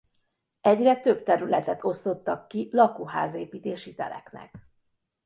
Egyre több területet osztottak ki lakóház-építési teleknek.